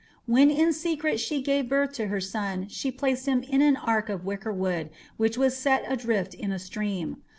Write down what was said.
When in secret she gave birth to her son she placed him in an ark of wickerwork, which was set adrift on a stream.